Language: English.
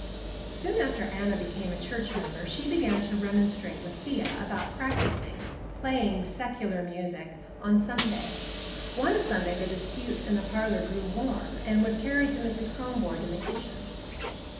Soon after Anna became a church member she began to remonstrate with Thea about practicing—playing "secular music"—on Sunday. One Sunday the dispute in the parlor grew warm and was carried to Mrs. Kronborg in the kitchen.